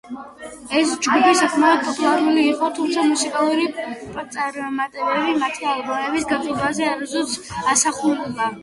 ეს ჯგუფი საკმაოდ პოპულარული იყო, თუმცა მუსიკალური წარმატებები მათი ალბომების გაყიდვაზე არასოდეს ასახულა.